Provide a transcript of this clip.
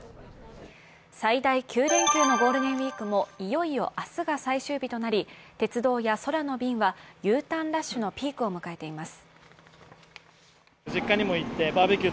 最大９連休のゴールデンウイークも、いよいよ明日が最終日となり、鉄道や空の便はＵターンラッシュのピークを迎えています。